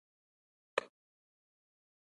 دا کار د وظایفو له لایحې سره کیږي.